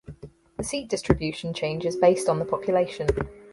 The seat distribution changes based on the population.